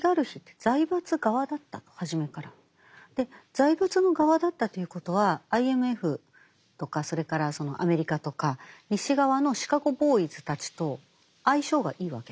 財閥の側だったということはＩＭＦとかそれからアメリカとか西側のシカゴ・ボーイズたちと相性がいいわけです。